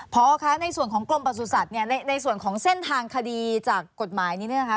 พอคะในส่วนของกรมประสุทธิ์เนี่ยในส่วนของเส้นทางคดีจากกฎหมายนี้เนี่ยนะคะ